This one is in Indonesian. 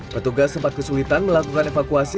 petugas sempat kesulitan melakukan evakuasi